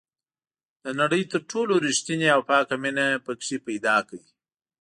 د نړۍ تر ټولو ریښتینې او پاکه مینه پکې پیدا کړئ.